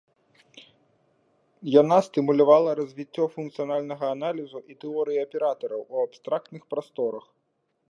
Яна стымулявала развіццё функцыянальнага аналізу і тэорыі аператараў у абстрактных прасторах.